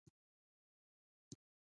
چاکلېټ له خوشبختۍ سره یوځای دی.